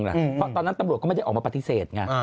เพราะตอนนั้นตำรวจก็ไม่ได้ออกมาปฏิเสธไง